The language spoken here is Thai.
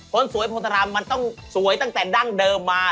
คนสวยโพธารามมันต้องสวยตั้งแต่ดั้งเดิมมา